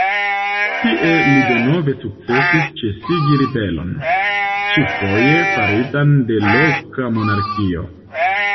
Tie li denove sukcesis ĉesigi ribelon, ĉifoje faritan de loka monarkio.